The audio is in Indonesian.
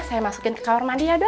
saya masukin ke kamar mandi ya dok